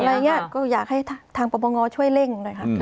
อะไรอย่างนี้ก็อยากให้ทางปรปงช่วยเร่งหน่อยค่ะ